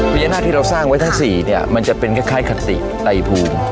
พญานาคที่เราสร้างไว้ทั้ง๔เนี่ยมันจะเป็นคล้ายคติไตภูมิ